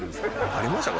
ありましたか？